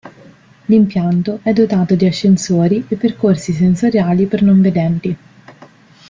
L'impianto è dotato di ascensori e percorsi sensoriali per non vedenti.